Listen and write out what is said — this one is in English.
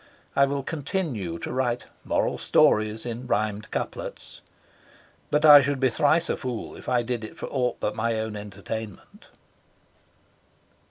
I will continue to write moral stories in rhymed couplets. But I should be thrice a fool if I did it for aught but my own entertainment.